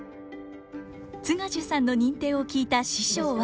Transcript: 津賀寿さんの認定を聞いた師匠は。